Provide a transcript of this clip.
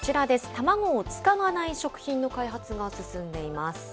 卵を使わない食品の開発が進んでいます。